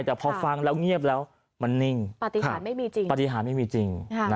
แต่พอฟังแล้วเงียบแล้วมันนิ่งปฏิหารไม่มีจริง